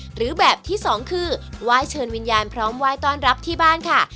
หรือแบบที่สองคือไหว้เชิญวิญญาณพร้อมไหว้ต้อนรับที่บ้านค่ะ